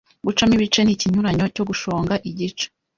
Gucamo ibice ni ikinyuranyo cyo gushonga igice